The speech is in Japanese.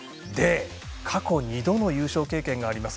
過去２度の優勝経験があります